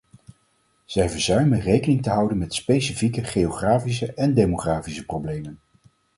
Zij verzuimen rekening te houden met specifieke geografische en demografische problemen.